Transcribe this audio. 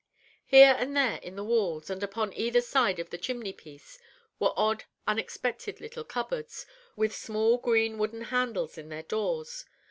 Here and there in the walls, and upon either side of the chimney piece, were odd, unexpected little cupboards, with small green wooden handles in their doors.